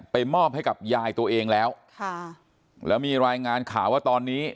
มอบให้กับยายตัวเองแล้วค่ะแล้วมีรายงานข่าวว่าตอนนี้